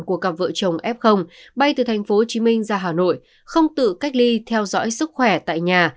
của cặp vợ chồng f bay từ thành phố hồ chí minh ra hà nội không tự cách ly theo dõi sức khỏe tại nhà